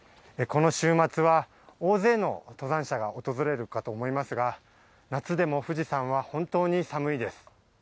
この週末は大勢の登山者が訪れるかと思いますが夏でも富士山は本当に寒いです。